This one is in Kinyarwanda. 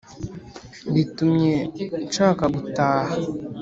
bitumye nshaka gutaha